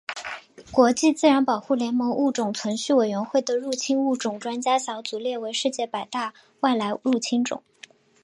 国际自然保护联盟物种存续委员会的入侵物种专家小组列为世界百大外来入侵种。